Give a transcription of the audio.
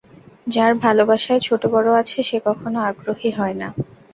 যার ভালবাসায় ছোট বড় আছে, সে কখনও অগ্রণী হয় না।